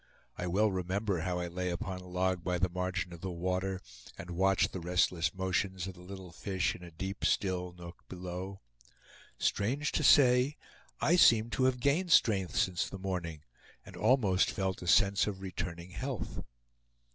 I well remember how I lay upon a log by the margin of the water, and watched the restless motions of the little fish in a deep still nook below. Strange to say, I seemed to have gained strength since the morning, and almost felt a sense of returning health.